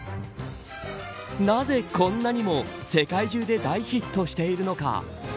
なぜこんなにも世界中で大ヒットしているのか。